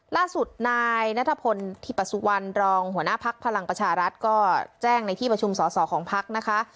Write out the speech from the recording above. ล่าสุดนายนัทพลธิปสุวรรณรองหัวหน้าพักพลังประชารัฐก็แจ้งในที่ประชุมสอสอของพักนะคะ